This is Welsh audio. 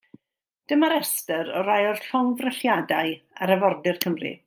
Dyma restr o rai o'r llongddrylliadau ar arfordir Cymru.